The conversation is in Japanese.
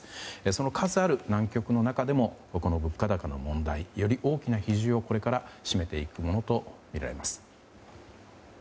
その数ある難局の中でも物価高の問題より多くの比重をこれから占めていくものとみられます。